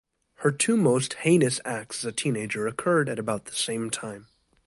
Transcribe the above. Her two most heinous acts as a teenager occurred at about the same time.